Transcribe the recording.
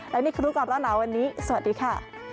และนี่คุณครูกรอบร้อนาวันนี้สวัสดีค่ะ